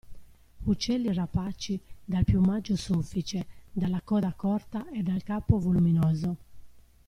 Uccelli rapaci dal piumaggio soffice, dalla coda corta e dal capo voluminoso.